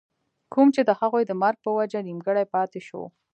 کوم چې َد هغوي د مرګ پۀ وجه نيمګري پاتې شو